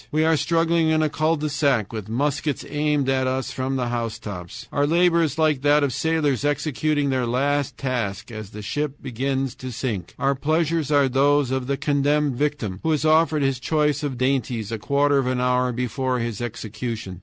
We are struggling in a CUL DE SAC with muskets aimed at us from the housetops. Our labor is like that of sailors executing their last task as the ship begins to sink. Our pleasures are those of the condemned victim, who is offered his choice of dainties a quarter of an hour before his execution.